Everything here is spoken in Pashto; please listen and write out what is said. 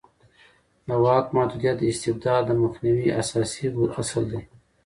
د واک محدودیت د استبداد د مخنیوي اساسي اصل دی